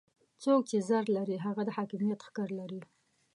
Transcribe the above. څوک چې زر لري هغه د حاکميت ښکر لري.